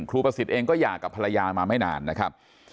ประสิทธิ์เองก็หย่ากับภรรยามาไม่นานนะครับ